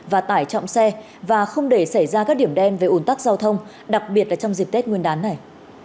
và tải trọng xe và không để xảy ra các điểm đen về ủn tắc giao thông đặc biệt là trong dịp tết nguyên đán này